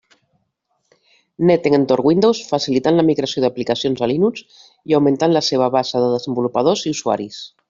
Net en entorn Windows, facilitant la migració d'aplicacions a Linux i augmentant la seva base de desenvolupadors i usuaris.